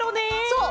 そう！